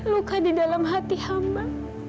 luka di dalam hati hamba